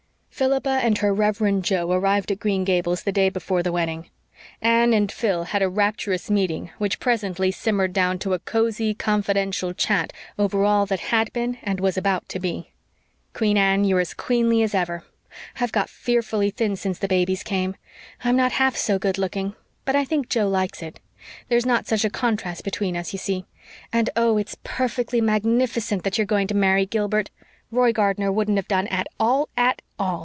Philippa and her Reverend Jo arrived at Green Gables the day before the wedding. Anne and Phil had a rapturous meeting which presently simmered down to a cosy, confidential chat over all that had been and was about to be. "Queen Anne, you're as queenly as ever. I've got fearfully thin since the babies came. I'm not half so good looking; but I think Jo likes it. There's not such a contrast between us, you see. And oh, it's perfectly magnificent that you're going to marry Gilbert. Roy Gardner wouldn't have done at all, at all.